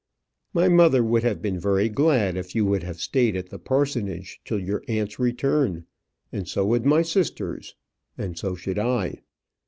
"My mother would have been very glad if you would have stayed at the parsonage till your aunt's return; and so would my sisters and so should I."